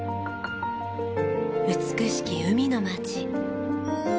美しき海の街。